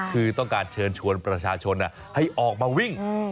คือต้องการเชิญชวนประชาชนให้ออกมาวิ่ง